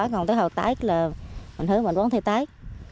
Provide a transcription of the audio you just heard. còn tới hồi tết là mình hứa mình đón theo tết